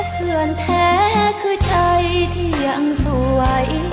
เพื่อนแท้คือใจที่ยังสวย